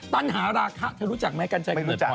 ตันหาราคะเธอรู้จักมั้ยกันเฉยก่อนไหนพ่อยคุณบอกว่าว่า